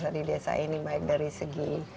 dari desa ini baik dari segi